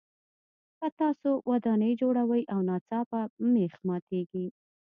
که تاسو ودانۍ جوړوئ او ناڅاپه مېخ ماتیږي.